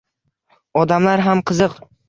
Odamlar ham qiziq.